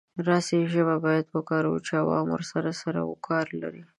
داسې ژبه باید وکاروو چې عوام ورسره سر او کار لري.